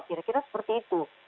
kira kira seperti itu